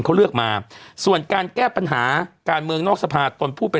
เขาเลือกมาส่วนการแก้ปัญหาการเมืองนอกสภาตนผู้เป็น